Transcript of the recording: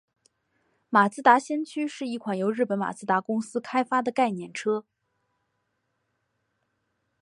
马自达先驱是一款由日本马自达公司开发的概念车。